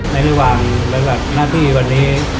ในระหว่างในหน้าที่วันนี้